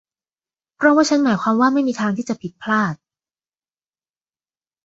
เพราะว่าฉันหมายความว่าไม่มีทางที่จะผิดพลาด